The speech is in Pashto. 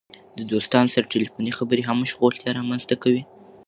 د دوستانو سره ټیلیفوني خبرې هم مشغولتیا رامنځته کوي.